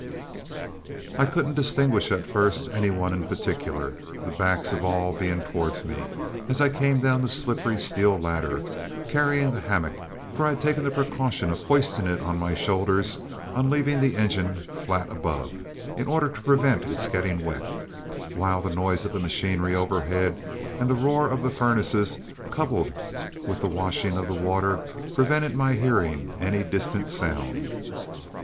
I couldn't distinguish at first any one in particular, the backs of all being towards me as I came down the slippery steel ladder, carrying the hammock, for I had taken the precaution of hoisting it on my shoulders on leaving the engine flat above, in order to prevent its getting wet, while the noise of the machinery overhead and the roar of the furnaces, coupled with the washing of the water, prevented my hearing any distant sound.